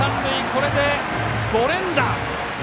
これで５連打！